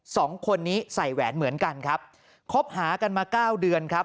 สองคนนี้ใส่แหวนเหมือนกันครับคบหากันมาเก้าเดือนครับ